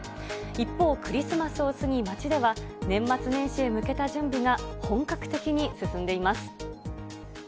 一方、クリスマスを過ぎ、街では、年末年始に向けた準備が本格的に進んでいます。